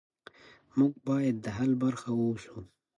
موږ باید د حل برخه اوسو.